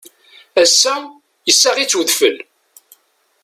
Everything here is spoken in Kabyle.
Ass-a, issaɣ-itt udfel.